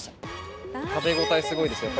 食べ応えすごいですよ